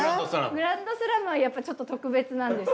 グランドスラムはやっぱちょっと特別なんです。